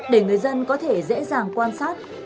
để người dân có thể dễ dàng quan sát